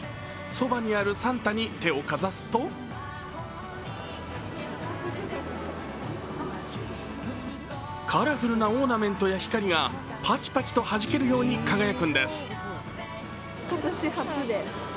そばにあるサンタに手をかざすとカラフルなオーナメントや光がパチパチと弾けるように輝くんです。